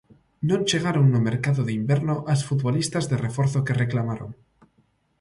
Non chegaron no mercado de inverno as futbolistas de reforzo que reclamaron.